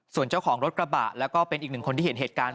ส่วนเจ้าของรถกระบะแล้วก็เป็นอีกหนึ่งคนที่เห็นเหตุการณ์